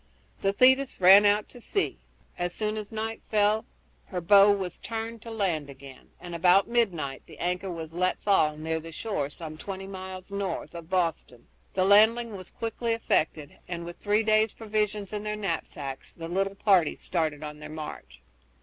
The Thetis ran out to sea. As soon as night fell her bow was turned to land again, and about midnight the anchor was let fall near the shore some twenty miles north of Boston. The landing was quickly effected, and with three days' provisions in their knapsacks the little party started on their march.